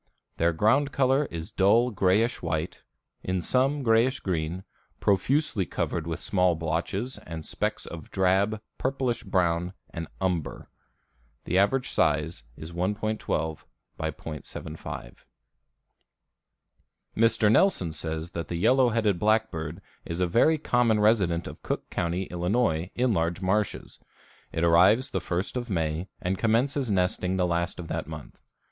Their ground color is dull grayish white, in some grayish green, profusely covered with small blotches and specks of drab, purplish brown and umber. The average size is 1.12 × .75. Mr. Nelson says that the yellow headed blackbird is a very common resident of Cook County, Ill., in large marshes. It arrives the first of May and commences nesting the last of that month.